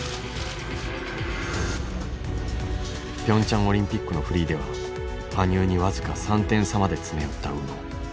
ピョンチャンオリンピックのフリーでは羽生に僅か３点差まで詰め寄った宇野。